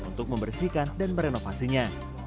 untuk membersihkan dan merenovasinya